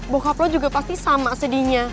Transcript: bokap lo juga pasti sama sedihnya